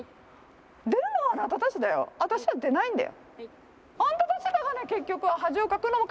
出るのはあなたたちだよ、私は出ないんだよ。